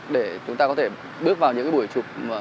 để chúng ta có thể bước vào những buổi chụp